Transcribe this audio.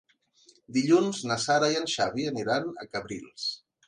Dilluns na Sara i en Xavi aniran a Cabrils.